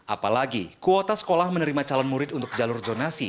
apalagi kuota sekolah menerima calon murid untuk jalur zonasi